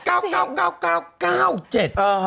อ่าฮะ